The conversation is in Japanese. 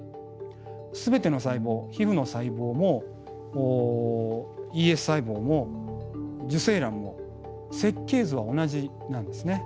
全ての細胞皮ふの細胞もＥＳ細胞も受精卵も設計図は同じなんですね。